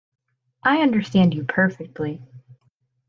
I understand you perfectly.